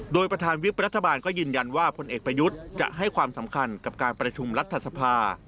โดยประธานวิบรัฐบาลก็ยืนยันว่าพลเอกประยุทธ์จะให้ความสำคัญกับการประชุมรัฐสภา